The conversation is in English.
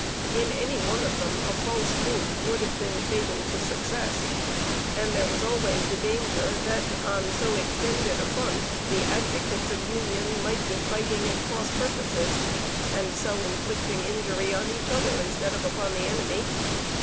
In any one of them a false move would have been fatal to success; and there was always the danger that, on so extended a front, the advocates of union might be fighting at cross purposes and so inflicting injury on each other instead of upon the enemy.